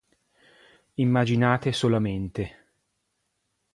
Immaginate solamente.